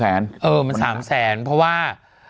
เออมัน๓๐๐๐๐๐เพราะว่า